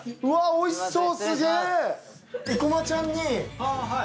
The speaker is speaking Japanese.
おいしそう。